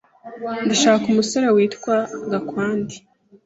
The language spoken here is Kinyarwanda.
Ndashaka umusore witwa Gakwandi.